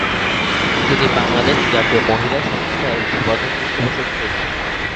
তিনি 'বাংলাদেশ জাতীয় মহিলা সংস্থা' এর প্রধান পৃষ্ঠপোষক ছিলেন।